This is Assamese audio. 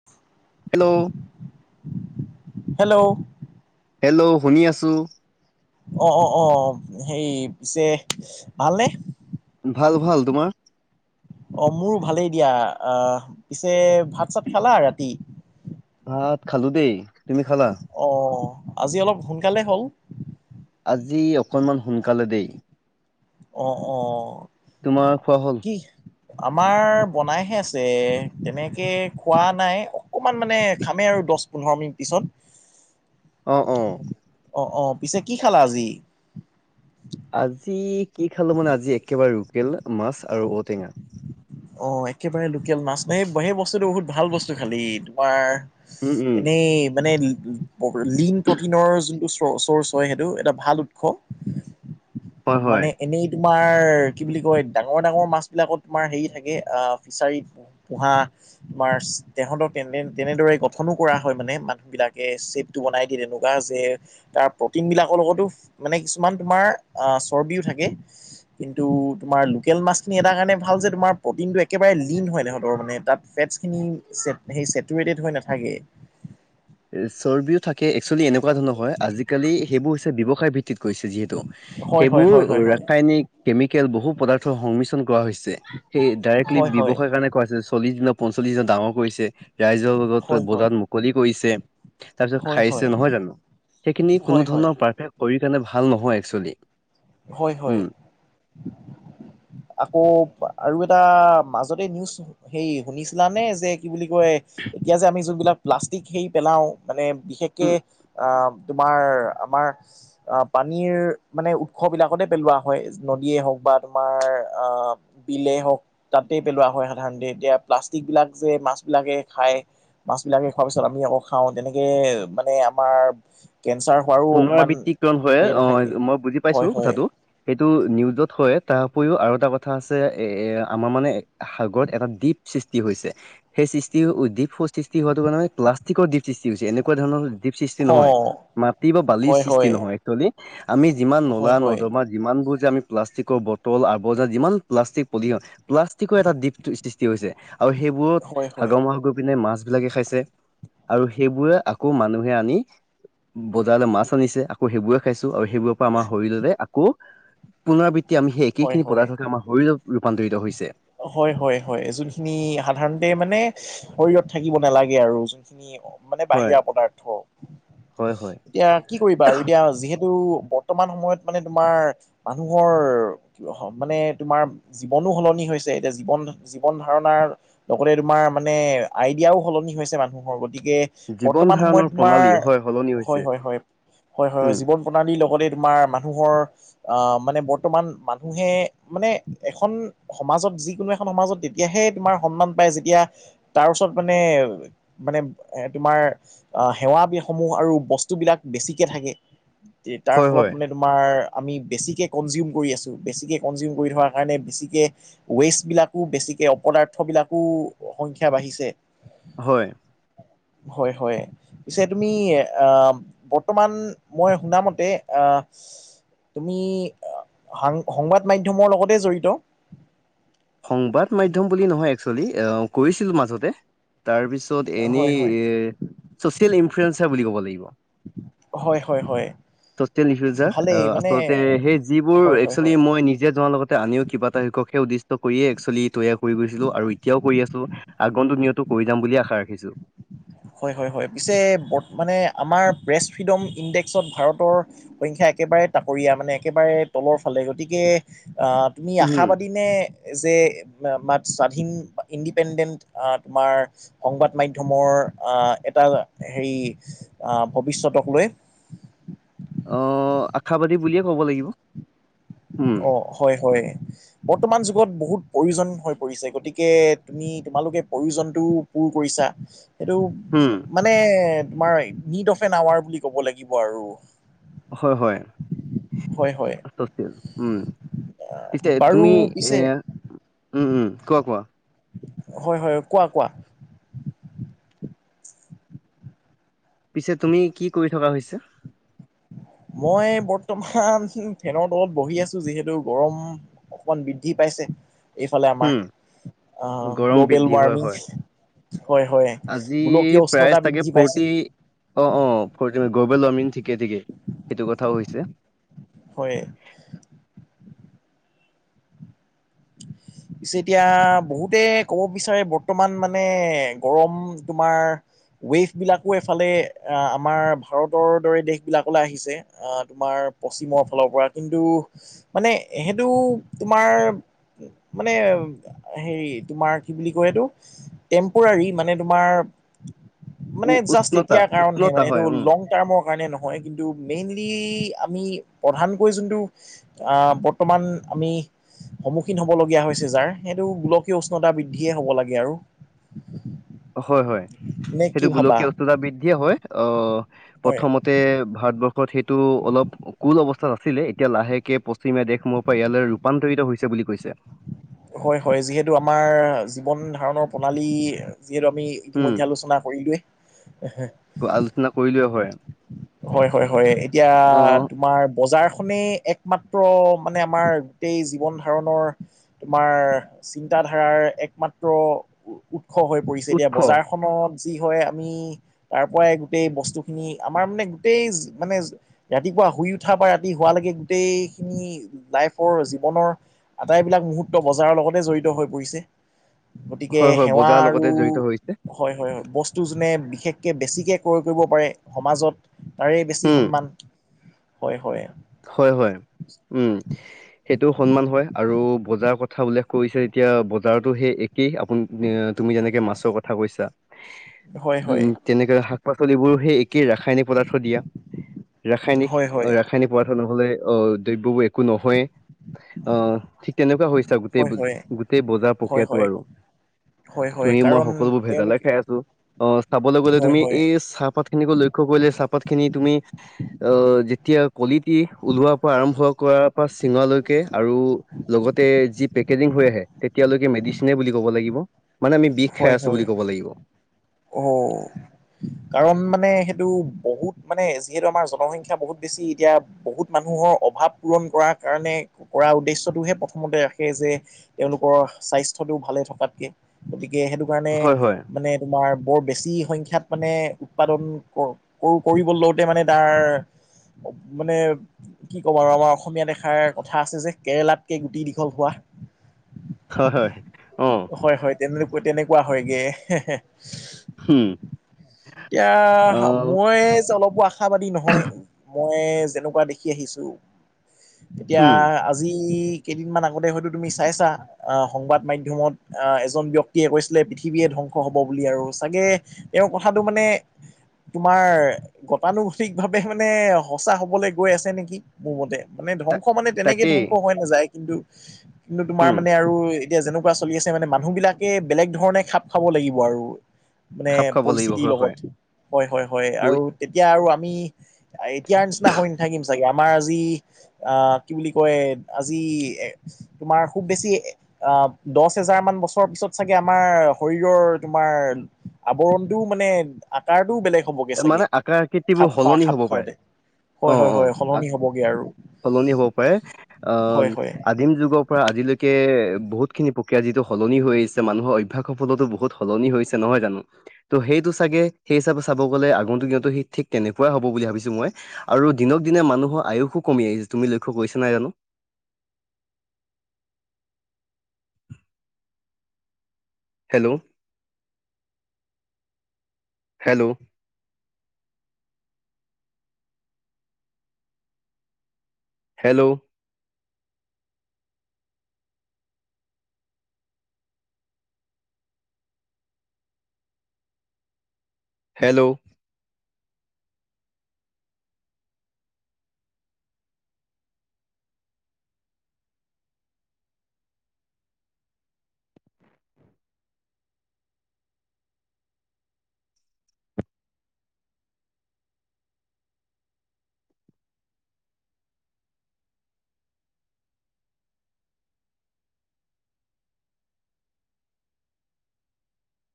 [unintelligible] হেল্ল' হেল্ল হেল্ল' শুনি আছো। অ অ অ সেই পিছে ভালনে ভাল ভাল তোমাৰ। অ মোৰো ভালেই দিয়া আহ পিছে ভাত চাত খালা ৰাতি। ভাত খালো দেই তুমি খালা। অ', আজি অলপ সোনকালে হ'ল। আজি অকনমান সোনকালে দেই। অ', অ'। তোমাৰ খোৱা হ'ল? দি আমাৰ বনাইহে আছে তেনেকে খোৱা নাই অকমান মানে খামেই আৰু দহ পোন্ধৰ মিনিট পিছত। অ', অ'। অ', অ' পিছে কি খালা আজি? আজি কি খালো মানে, আজি একেবাৰে লোকেল মাছ আৰু ঔটেঙা। অ', একেবাৰে লোকেল মাছ না, সেই সেই বস্তুটো বহুত ভাল বস্তু। খালি তোমাৰ উম উম এনেই মানে লিং প্ৰটিনৰ যোনটো চ'ৰ্চ কয় হেইটো, এটা ভাল উৎস। হয় হয় মানে এনেই কি বুলি কয় ডাঙৰ ডাঙৰ মাছ বিলাকত তোমাৰ হেৰি থাকে, অ ফিচাৰীত পোহা তোমাৰ তেহঁতক তেনে তেনেদৰে গঠনো কৰা হয়। মানে মানুহ বিলাকে চে'প টো বনাই দিয়ে তেনেকুৱা যে তাৰ প্ৰটিন বিলাকৰ লগতো মানে কিছুমান তোমাৰ আহ চৰ্বিও থাকে। কিন্তু তোমাৰ লোকেল মাছখিনি এটা কাৰণে ভাল যে তোমাৰ প্ৰ'টিনটো একেবাৰে লীন হয় সিহঁতৰ মানে, তাত ফেটছখিনি সেই ছেটুৰেটেড হৈ নাথাকে। এ চৰ্বিও থাকে এক্সুয়েলি এনেকুৱা ধৰণৰ হয়, আজিকালি সেইবোৰ হৈছে ব্যৱসায় ভিত্তিত কৰিছে যিহেতু। হয় হয় সেইবোৰ হয় হয় হয় ৰাসায়নিক কেমিকেল বহু পদাৰ্থৰ সংমিশ্ৰণ কৰা হৈছে। সেই ডাইৰেক্টলি হয় হয় ব্যৱসায়ৰ কাৰণে। কৰাইছে, চল্লিশ দি পঞ্চল্লিশজন ডাঙৰ কৰিছে, ৰাইজৰ বাবত হয় হয় বজাৰত মুকলি কৰিছে। তাৰপিছত হয় খাইছে হয় নহয় জানো? সেইখিনি হয় কোনো ধৰণৰ পাৰফেক্ট শৰীৰৰ কাৰণে ভাল নহয় এক্সুৱেলি। হয়, হয়। আকৌ আৰু এটা মাজতে নিউজ সেই শুনিছিলানে? যে কি বুলি কয় এতিয়া যে আমি যোনবিলাক প্লাষ্টিক হে পেলাও মানে। বিশেষকে আহ তোমাৰ আমাৰ পানীৰ মানে উৎ স বিলাকতে পেলোৱা হয়, নদীয়ে হওক বা তোমাৰ আহ বিলে হওক। তাতে পেলোৱা হয় সাধাৰণতে, এতিয়া প্লাষ্টিক বিলাক যে মাছ বিলাকে খায়। মাছ বিলাকে খোৱাৰ পিছত আমি আকৌ খাওঁ, তেনেকে মানে আমাৰ কেঞ্চাৰ হোৱাৰো অকমান পুনৰাবৃত্তিকণ হয়, হেৰি নাথাকে অ' মই বুজি হয় পাইছো হয় কথাটো। সেইটো নিউজত হয়, তাৰ উপৰিও আৰু এটা কথা আছে এ আমাৰ মানে সাগৰত এটা দ্বীপ সৃষ্টি হৈছে। সেই সৃষ্টি দ্বীপ সৃষ্টি হোৱাটো কাৰণে প্লাষ্টিকৰ সৃষ্টি হৈছে, এনেকুৱা দ্বীপ সৃষ্টি অ নহয়। টি বা বালিৰ হয় সৃষ্টি হয় নহয় এক্সুৱেলি। আমি যিমান হয় নলা হয় নৰ্দমা যিমানবোৰ যে আমি প্লাষ্টিকৰ বটল আৱৰ্জা যিমান প্লাষ্টিক পলিয়ন, প্লাষ্টিকৰ এটা দ্বিপ সৃষ্টি ষ্টি হৈছে, আৰু সেইবোৰত হয় হয় সাগৰ মাহসাগৰত। গৈ পিনে মাছ বিলাকে খাইছে। ছে। আৰু সেইবোৰে আকৌ মানুহে আনি বজাৰলৈ মাছ আনিছে আকৌ সেইবোৰে খাইছো, আৰু সেইবোৰৰ পৰা আমাৰ শৰীৰৰে আকৌ পুনৰাবৃত্তি আমি সেই হয় একেইখিনি হয় পদাৰ্থকে আমাৰ শৰীৰত ৰূপান্তৰিত হৈছে। হয়, হয়, হয়। যোনখিনি সাধাৰণতে মানে শৰীৰত থাকিব নালাগে আৰু যোনখিনিয়ে হওক। মানে হয় বাহিৰা পদাৰ্থ। হয় হয় এতিয়া কি কৰিবা আৰু এতিয়া যিহেতু বৰ্তমান সময়ত মানে তোমাৰ মানুহৰ কি মানে তোমাৰ জীৱনো সলনি হৈছ ছে এতিয়া জীৱন জীৱন ধাৰণাৰ লগতে তোমাৰ মানে আইডিয়াও সলনি হৈছে মানুহৰ গতিকে জীৱন বৰ্তমান সময়ত ধাৰণৰ তোমাৰ প্ৰণালী হয় সলনি হয় হৈছে হয় হয় হয় হয় উম জীৱন প্ৰণালীৰ লগতে তোমাৰ মানুহৰ আহ মানে বৰ্তমান মানুহে মানে এখন সমাজত যিকোনো এখন সমাজত তেতিয়াহে তোমাৰ সন্মান পায় যেতিয়া তাৰ ওচৰত মানে মানে এ তোমাৰ আহ সেৱাসমূহ আৰু বস্তু বিলাক বেছিকে থাকে তাৰ হয় ফলত হয় মানে তোমাৰ আমি বেছিকে কনজিউম কৰি আছোঁ বেছিকৈ কনজিউম কৰি থকাৰ কাৰণে বেছিকে ওৱেষ্টবিলাকো বেছিকে অপদাৰ্থবিলাকো সংখ্যা বাঢ়িছে হয় হয় হয় পিছে তুমি আহ বৰ্তমান মই শুনা মতে আহ তুমি সাং সংবাদ মাধ্যমৰ লগতে জড়িত সংবাদ মাধ্যম বুলি নহয় একচুৱেলি কৈছিলো মাজতে তাৰপিছ ত'ত হয় এনেই হয় চচিয়েল ইনফ্লুয়েঞ্চাৰ বুলি ক'ব লাগিব হয় হয় হয় চচেল [unintelligible] আহ ভালেই মানে আচলতে সেই যিবোৰ হয় হয় একচোৱেলি হয় মই নিজে জনা লগত আনিও কিবা এটা শিক্ষকে উদে শ্য কৰিয়ে একচলি তৈয়াৰ কৰি গৈছিলো আৰু এতিয়াও কৰি আছো আগন্ত দুুনিয়তো কৰি যাম বুলিয়ে আশা ৰাখিছো হয় হয় হয় পিছে মানে আমাৰ প্ৰেছ ফ্ৰীডম ইণ্ডেক্সত ভাৰতৰ সংখ্যা একেবাৰে তাকৰীয়া মানে একেবাৰে তলৰ ফালে গতিকে আহ তুমি উম আশাবাদী নে যে মা মাত স্বাধীন ইণ্ডিপেণ্ডেণ্ট তোমাৰ সংবাদ মাধ্যমৰ আহ এটা হেৰি আহ ভৱিষ্যতক লৈ অ আশাবাদী বুলিয়ে ক'ব লাগিব উম অ হয় হয় বৰ্তমান যুগত বহুত প্ৰয়োজন হৈ পৰিছে গতিকে তুমি তোমালোকে প্ৰয়োজনটো পূৰ কৰিছা সেইটো হুম মানে তোমাৰ নিড অফ এন আৱাৰ বুলি ক'ব লাগিব আৰু হয় হয় হয় হয় উম পিছে বাৰু তুমি এ পিছে উম উম কোৱা কোৱা হয় হয় কোৱা কোৱা পিছে তুমি কৰি থকা হৈছা? মই বৰ্তমান ফেনৰ তলত বহি আছো যিহেতু গৰম অকমান বৃদ্ধি পাইছে এইফালে আমাৰ উম আহ গৰম গ্ল'বেল বৃদ্ধি হয় ৱাৰ্মিং হয় হয় হয় আজি গোলকীয় প্ৰায় উষ্ণতা চাগে বৃদ্ধি পাইছে ফৰ্টি অ অ ফৰ্টি গ্ল'বেল ৱাৰ্মিং ঠিকে ঠিকে সেইটো কথাও হৈছে হয় [inaudible] পিছে এতিয়া বহুতে ক'ব বিচাৰে বৰ্তমান মানে গৰম তোমাৰ ওৱেফবিলাকো এফালে আমাৰ ভাৰতৰ দৰে দেশবিলাকলে আহিছে অ তোমাৰ পশ্চিমৰ ফালৰ পৰা কিন্তু মানে সেইটো তোমাৰ, মানে হেৰি তোমাৰ কি বুলি কয় এইটো। টেম্পৰাৰী মানে তোমাৰ উ মানে জাষ্ট উষ্ণতা এতিয়া কাৰণহে উষ্ণতা মানে এইটো হয় উম লং, কাৰণে নহয় কিন্তু মেইনলি আমি প্ৰধানকৈ যোনটো, আহ বৰ্তমান আমি। সম্নূখিন হ'বলগীয়া হৈছে যাৰ সেইটো গোলকীয় উষ্ণতা বৃদ্ধিয়ে হ'ব লাগে আৰু হয় হয় নে কি সেইটো ভাবা গোলকীয় উষ্ণতা বৃদ্ধিয়ে হয় আহ হয় প্ৰথমত, তে ভাৰতবৰ্ষত সেইটো অলপ কুল অৱস্থাত আছিলে এতিয়া লাহেকে পশ্চিমীয়া দেশসমূহৰ পৰা ইয়ালৈ, ৰূপান্তৰিত হৈছে বুলি কৈছে। হয় হয় যিহেতু আমাৰ জীৱন ধাৰণৰ প্ৰণালী যিহেতু আমি। উম ইতিমধ্যে আলোচনা কৰিলোৱেই, আলোচনা কৰিলোৱে হয়। হয় হয় হয় এতিয়া আহ তোমাৰ। বজাৰখনেই একমাত্ৰ মানে আমাৰ গোটেই জীৱন ধাৰণৰ, তোমাৰ চিন্তাধাৰাৰ একমাত্ৰ উৎস হৈ, পৰিছে এতিয়া উৎস বজাৰখনত যি হয় আমি তাৰ পৰাই গোটেই বস্তু খিনি আমাৰ মানে, গোটেই মানে ৰাতিপুৱা শুই উঠাৰ পৰা ৰাতি শুৱালৈকে গোটেইখিনি, লাইফৰ জীৱনৰ আটাইবিলাক মুহুৰৰ্ত বজাৰৰ লগতে জড়িত হৈ পৰিছে। গতিকে হয় হয় সেৱা বজাৰৰ আৰু লগতে জড়িত হৈছে হয় হয় হয় বস্তু যোনে বিশেষকৈ বেছিকে ক্ৰয় কৰিব পাৰে সমাজত। তাৰে বেছি উম সন্মান হয় হয়। হয় হয় উম, সেইটো সন্মান হয় আৰু বজাৰৰ কথা উল্লেখ কৰিছে যেতিয়া বজাৰতো সেই কি আপুনি তুমি যেনেকে মাছৰ কথা কৈছা। [inaudible] হয় উম তেনেকৈ শাক পাচলিবোৰ সেই ৰাসায়নিক পদাৰ্থ দিয়া হয় ৰাসায়নিক, হয় হয় সানি পোৱা থ নহলে অ দ্ৰব্যবোৰ একো নহয়েই। অহ ঠিক তেনেকুৱা হৈছো গোটেই হয় গোটেই বজাৰ প্ৰক্ৰিয়াটো হয় হয় আৰু হয় হয় তুমি মই কাৰণ সকলোবোৰ ভেজালে তেওঁলোকে খাই আছো অহ চাবলৈ গলে হয় তুমি হয় এই চাহপাত, চাহপাতখিনিক লক্ষ্য কৰিলে চাহপাত খিনি তুমি অহ যেতিয়া। কলিটি ওলোৱাৰ পৰা আৰম্ভ কৰাৰ পৰা চিঙালৈকে আৰু লগতে যি পেকেটিং হৈ আহে তেতিয়ালৈকে মেডিচিনে বুলি কব লাগিব। মানে আমি বিষ খাই আছো বুলি ক'ব লাগিব। অহ, কাৰণ মানে সেইটো বহুত মানে যিহেতু আমাৰ জনসংখ্যা বহুত বেছি এতিয়া। বহুত মানুহৰ অভাৱ পূৰণ কৰাৰ কাৰণে কৰা উদ্দেশ্যয়টোহে প্ৰথমতে ৰাখে যে। তেওঁলোকৰ স্বাস্থ্যটো ভালে থকাতকে গতিকে সেইটো কাৰণে হয় হয় মানে, তোমাৰ বৰ বেছি সংখ্যাত মানে উৎপাদন কৰ, কৰ কৰিব লওঁতে মানে তাৰ মানে। কি ক'ব আৰু আমাৰ অসমীয়াত এখাৰ কথা আছে যে কেৰেলাতকে গুটি দীঘল হোৱা। হয় হয়। অ' হয় হয় তেনে তেনেকুৱা হয়গে হে হে, হুম এতিয়া অ' মই যে অলপো আশাবাদী নহয় মই, মই যেনেকুৱা দেখি আহিছো এতিয়া হুম আজি, কেইদিনমান আগতে হয়তো তুমি চাইছা আঁহ সংবাদ মাধ্যমত। আঁহ এজন ব্যক্তিয়ে কৈছিলে পৃথিৱীয়ে ধ্বংস হব বুলি আৰু চাগে তেওঁৰ কথাটো মানে- তোমাৰ গতানুগতিক ভাৱে মানে সঁচা হবলে গৈ আছে নেকি? মোৰ মাতে মানে ধ্বংস মানে তেনেকে তাকেই ধ্বংস হৈ নাযায় কিন্তু কিন্তু তোমাৰ হুম। মানে আৰু- এতিয়া যেনেকুৱা চলি আছে মানে মানুহ বিলাকে বেলেগ ধৰণে খাপ খাব লাগিব আৰু। মানে খাপ খাব লাগিব পৰিস্থিতিৰ হয় হয় লগত হয় হয় হয় আৰু পৰি- তেতিয়া আৰু আমি- এ‌ এতিয়াৰ নিচিনা হৈ নাথাকিম- চাগে আমাৰ আজি আহ কি বুলি কয় আজি এ- তোমাৰ খুৱ বেছি আঁ- দচ হেজাৰ মান বছৰৰ পিছত চাগে আমাৰ শৰীৰৰ তোমাৰ- আৱৰণটোও মানে আকাৰটোও বেলেগ। হ'বগে এ চাগে মানে আকাৰ আকৃতিবোৰ খাপ খোৱা সলনি খাপ হ'ব পাৰে। খাওঁতে হয় অঁ হয় অঁ হয় আক সলনি হ'বগে আৰু সলনি হ'ব পাৰে। হয় অঁহ- হয় আদিম যুগৰ পৰা আজিলৈকে বহুতখিনি প্ৰক্ৰিয়া যিটো সলনি হৈ আহিছে মানুহৰ অভ্যাসৰ ফলতো বহুত- সলনি হৈছে নহয় জানো। ত' সেইটো চাগে সেই হিচাপে- চাব গলে আগন্তুক দিনতো সেই ঠিক তেনেকুৱায় হ'ব বুলি ভাবিছো মই। আৰু দিনক দিনে মানুহৰ আয়ুসো কমি আহিছে তুমি লক্ষ্য কৰিছা নাই জানো? Hello hello hello hello